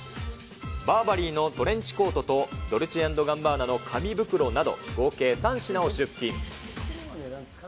バーバリーのトレンチコートと、ドルチェ＆ガッバーナの紙袋など、合計３品を出品。